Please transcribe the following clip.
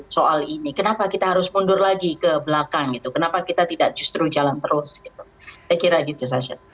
soal ini kenapa kita harus mundur lagi ke belakang gitu kenapa kita tidak justru jalan terus gitu saya kira gitu sasha